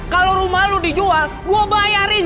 kalau rumah lu dijual gua bayarin